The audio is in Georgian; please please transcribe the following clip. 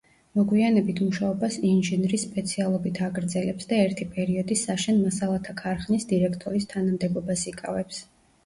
მოგვიანებით მუშაობას ინჟინრის სპეციალობით აგრძელებს და ერთი პერიოდი საშენ მასალათა ქარხნის დირექტორის თანამდებობას იკავებს.